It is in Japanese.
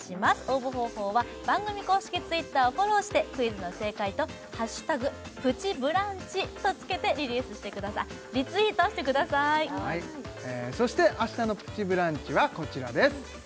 応募方法は番組公式Ｔｗｉｔｔｅｒをフォローしてクイズの正解と「＃プチブランチ」とつけてリリースしてくださあっリツイートしてくださいそして明日の「プチブランチ」はこちらです